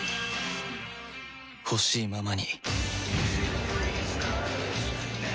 ほしいままに